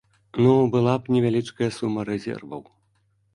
Ну, была б невялічкая сума рэзерваў.